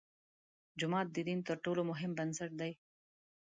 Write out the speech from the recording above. جومات د دین تر ټولو مهم بنسټ دی.